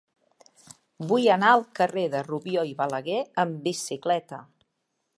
Vull anar al carrer de Rubió i Balaguer amb bicicleta.